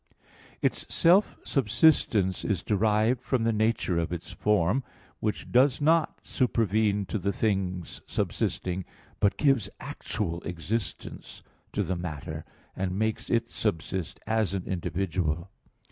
Its self subsistence is derived from the nature of its form, which does not supervene to the things subsisting, but gives actual existence to the matter and makes it subsist as an individual.